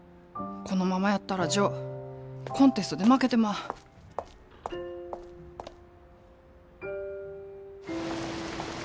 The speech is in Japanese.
このままやったらジョーコンテストで負けてまう。